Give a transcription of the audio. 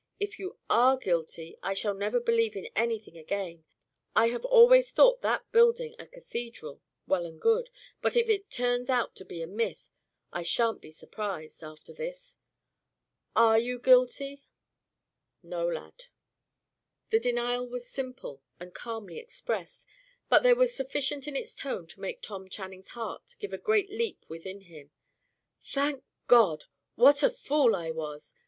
"If you are guilty, I shall never believe in anything again. I have always thought that building a cathedral: well and good; but if it turns out to be a myth, I shan't be surprised, after this. Are you guilty?" "No, lad." The denial was simple, and calmly expressed; but there was sufficient in its tone to make Tom Channing's heart give a great leap within him. "Thank God! What a fool I was!